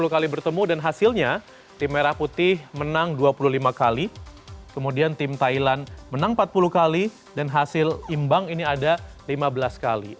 sepuluh kali bertemu dan hasilnya tim merah putih menang dua puluh lima kali kemudian tim thailand menang empat puluh kali dan hasil imbang ini ada lima belas kali